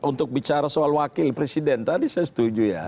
untuk bicara soal wakil presiden tadi saya setuju ya